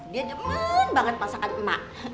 dia demen banget masakan emak